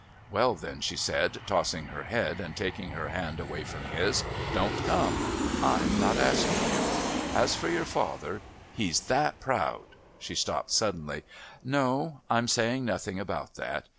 "Well, then," she said, tossing her head and taking her hand away from his, "don't come. I'm not asking you. As for your father, he's that proud " She stopped suddenly. "No. I'm saying nothing about that.